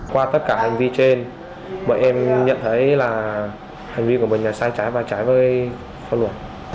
qua tất cả hành vi trên mọi em nhận thấy là hành vi của mình là sai trái và trái với phong luận